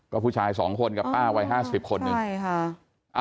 ก็ผู้ชายสองคนกับป้าวัยห้าสิบคนนึงใช่ค่ะ